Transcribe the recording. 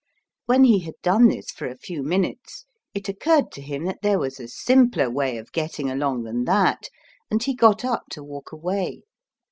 When he had done this for a few minutes, it occurred to him that there was a simpler way of getting along than that, and he got up to walk away.